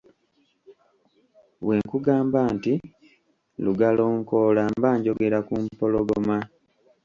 Bwe nkugamba nti lugalonkoola mba njogera ku mpologoma.